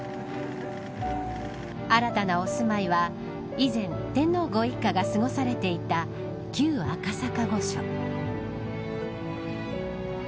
新たなお住まいは以前、天皇ご一家が過ごされていた旧赤坂御所。